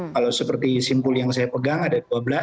kalau seperti simpul yang saya pegang ada dua belas